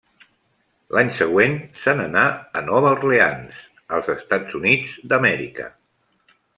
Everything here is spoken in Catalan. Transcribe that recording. L'any següent se n'anà a Nova Orleans, als Estats Units d'Amèrica.